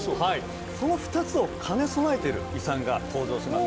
その２つを兼ね備えている遺産が登場します